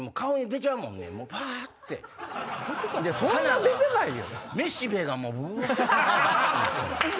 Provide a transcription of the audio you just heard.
そんな出てないよ。